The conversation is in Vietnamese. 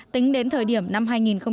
tính đến thời điểm năm hai nghìn hai mươi